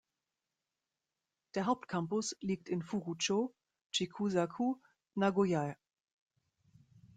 Der Hauptcampus liegt in Furō-chō, Chikusa-ku, Nagoya.